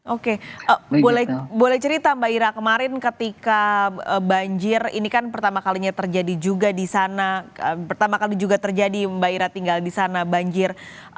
oke boleh cerita mbak ira kemarin ketika banjir ini kan pertama kalinya terjadi juga di sana pertama kali juga terjadi mbak ira tinggal di sana banjir